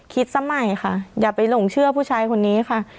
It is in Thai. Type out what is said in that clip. คิดซะใหม่ค่ะอย่าไปหลงเชื่อผู้ชายคนนี้ค่ะ